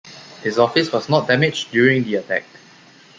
His office was not damaged during the attack.